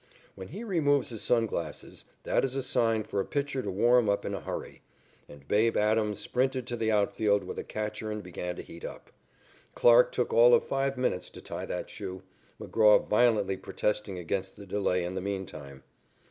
When he removes his sun glasses that is a sign for a pitcher to warm up in a hurry, and "Babe" Adams sprinted to the outfield with a catcher and began to heat up. Clarke took all of five minutes to tie that shoe, McGraw violently protesting against the delay in the meantime.